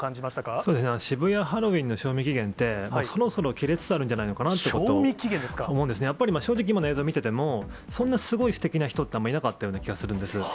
そうですね、渋谷ハロウィーンの賞味期限って、もうそろそろ切れつつあるんじゃないのかなと思うんですね、正直、今の映像を見てても、そんなすごいすてきな人って、あんまりいなかったような気がするんです。